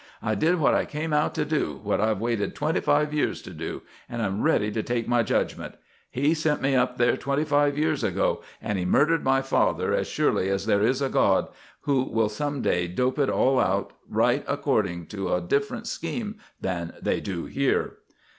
I did what I came out to do, what I've waited twenty five years to do, and I'm ready to take my judgment. He sent me up there twenty five years ago, and he murdered my father as surely as there is a God, who will some day dope it all out right according to a different scheme than they do here."